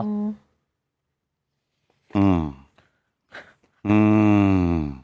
อืม